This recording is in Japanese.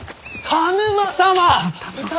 田沼様。